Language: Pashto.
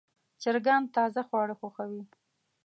چرګان تازه خواړه خوښوي.